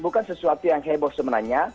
bukan sesuatu yang heboh sebenarnya